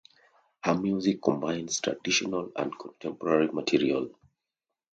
Her music combines traditional and contemporary material.